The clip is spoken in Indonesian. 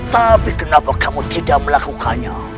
tapi kenapa kamu tidak melakukannya